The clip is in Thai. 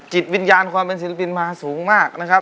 จิตวิญญาณความเป็นศิลปินมาสูงมากนะครับ